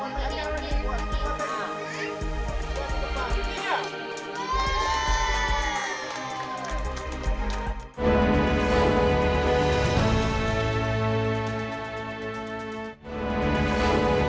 terima kasih banyak banyak